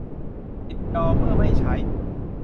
ปิดจอเมื่อไม่ใช้